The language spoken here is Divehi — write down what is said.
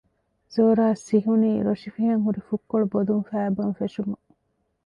ޒޯރާ ސިހުނީ ރޮށިފިހަން ހުރި ފުށްކޮޅު ބޮލުން ފައިބަން ފެށުމުން